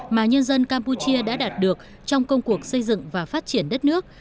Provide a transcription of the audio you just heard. mà nhân dân campuchia đã đạt được trong công cuộc xây dựng và phát triển đất nước